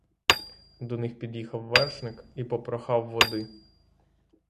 До них під'їхав вершник і попрохав води.